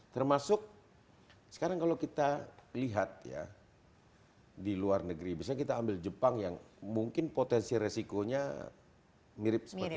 termasuk sekarang kalau kita lihat ya di luar negeri misalnya kita ambil jepang yang mungkin potensi resikonya mirip seperti itu